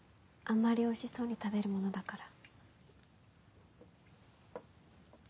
あんまりおいしそうに食べるものだから。